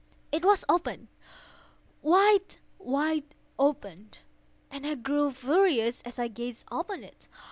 It was open—wide, wide open—and I grew furious as I gazed upon it.